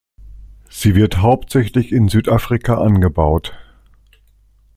Sie wird hauptsächlich in Südafrika angebaut.